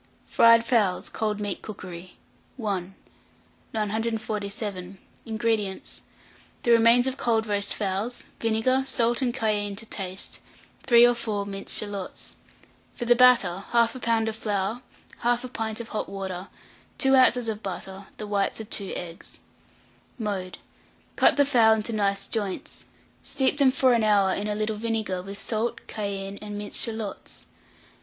FRIED FOWLS (Cold Meat Cookery). I. 947. INGREDIENTS. The remains of cold roast fowls, vinegar, salt and cayenne to taste, 3 or 4 minced shalots. For the batter, 1/2 lb. of flour, 1/2 pint of hot water, 2 oz. of butter, the whites of 2 eggs. Mode. Cut the fowl into nice joints; steep them for an hour in a little vinegar, with salt, cayenne, and minced shalots.